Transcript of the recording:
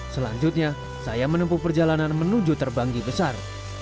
selanjutnya saya menempuh perjalanan menuju terbanggi besar